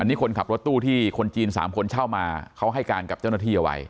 นี่คนขับรถตู้ที่คนจีน๓คนเช่ามาเขาให้การกับเจ้าหน้าที่เอาไว้